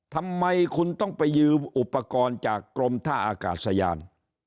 ทำไมคุณต้องไปยืมอุปกรณ์จากกรมท่าอากาศยาน